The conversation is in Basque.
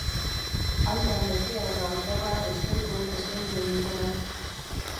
Hain da nekea eta alferra estoikoek eskaintzen dutena.